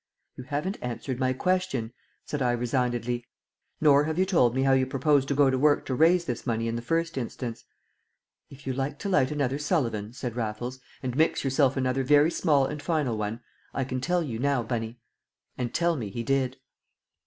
"You haven't answered my question," said I resignedly. "Nor have you told me how you propose to go to work to raise this money in the first instance." "If you like to light another Sullivan," said Raffles, "and mix yourself another very small and final one, I can tell you now, Bunny." And tell me he did.